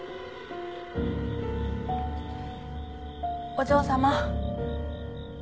お嬢様。